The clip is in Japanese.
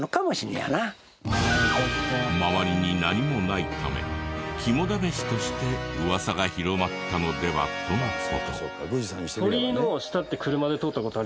周りに何もないため肝試しとして噂が広まったのではとの事。